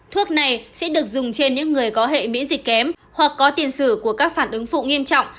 thuốc này sẽ được dùng trên những người có hệ miễn dịch kém hoặc có tiền sử của các phản ứng phụ nghiêm trọng